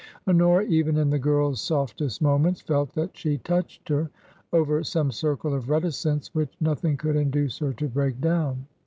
Honora, even in the girl's softest moments, felt that she touched her over some circle of reticence which nothing could induce her to break down.